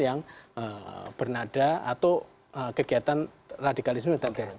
yang bernada atau kegiatan radikalisme